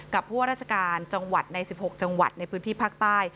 ผู้ว่าราชการจังหวัดใน๑๖จังหวัดในพื้นที่ภาคใต้